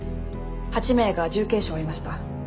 ８名が重軽傷を負いました。